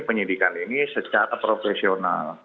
penyidikan ini secara profesional